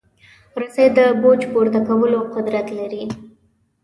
رسۍ د بوج پورته کولو قدرت لري.